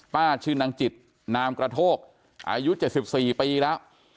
ชื่อนางจิตนามกระโทกอายุ๗๔ปีแล้ว